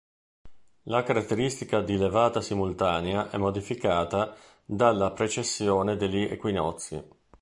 La caratteristica di levata simultanea è modificata dalla precessione degli equinozi.